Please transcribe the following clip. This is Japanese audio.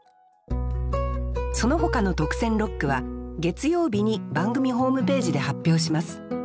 そのほかの特選六句は月曜日に番組ホームページで発表します。